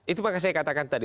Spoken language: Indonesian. itu maka saya katakan tadi